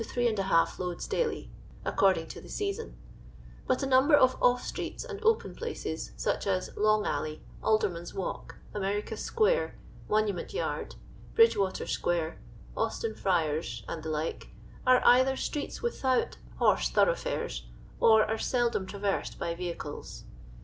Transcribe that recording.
^ loads daily, according to the season ; but a number of off streets and open places, such as Long alley, Alderman's walk, America square. Monu ment yard, Bridgewater square, Austin friars, and the like, are either streets without horse thorough fares, or are seldom traversed by vehicles.